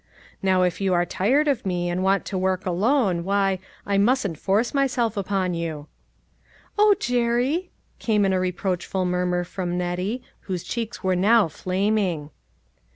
Now if you are tired of me and want to work alone, why, I mustn't force myself upon you." "O, Jerry!" came in a reproachful murmur from Nettie, whose cheeks were now flaming.